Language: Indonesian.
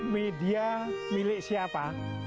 media milik siapa